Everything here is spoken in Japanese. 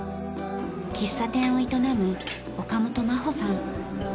喫茶店を営む岡本真穂さん。